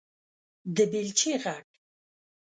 _د بېلچې غږ